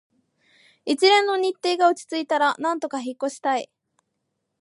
一連の日程が落ち着いたら、なんとか引っ越ししたい